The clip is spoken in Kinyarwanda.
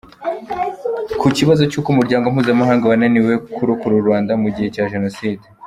Ku kibazo cy’uko Umuryango mpuzamahanga wananiwe kurokora u Rwanda mu gihe cya jenoside.